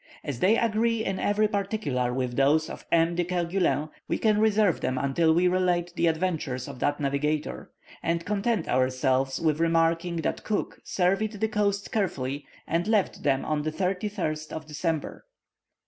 As they agree in every particular with those of M. de Kerguelen, we can reserve them until we relate the adventures of that navigator, and content ourselves with remarking that Cook surveyed the coasts carefully, and left them on the 31st of December.